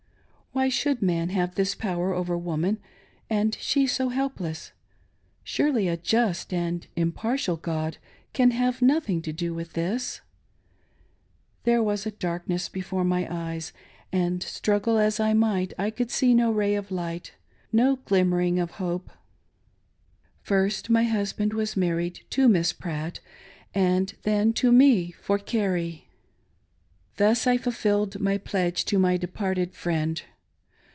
Why should man have this power over woman, and she so helpless ? Surely a just and impartial God can have nothing to do with this ! There was a darkness before my eyes, and struggle as I might, I could see no ray of light. No glimmering of hope. First, my husband was married to Miss Pratt ; and then to me for Carrie. Thus I fulfilled my pledge to my departed friend.